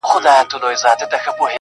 • چي د مخ لمر يې تياره سي نيمه خوا سي.